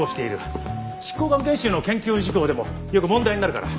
執行官研修の研究事項でもよく問題になるから。